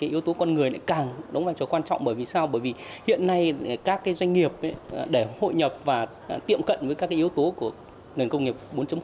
yếu tố con người càng đóng vai trò quan trọng bởi vì hiện nay các doanh nghiệp để hội nhập và tiệm cận với các yếu tố của nguồn công nghiệp bốn